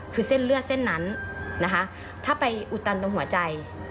คือเส้นเลือดเส้นนั้นนะคะถ้าไปอุดตันตรงหัวใจ